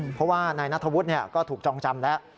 เพราะว่านายนัทธวุฒิก็ถูกจองจำแล้ว